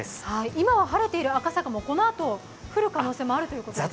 今は晴れている赤坂もこのあと降る可能性があるということですね？